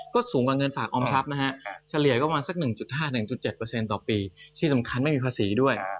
ก็สูงกว่าเงินฝากออมทรัพย์นะฮะเฉลี่ยก็ประมาณสัก๑๕๑๗ต่อปีที่สำคัญไม่มีภาษีด้วย